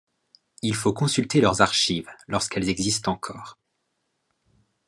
Il faut consulter leurs archives lorsqu'elles existent encore.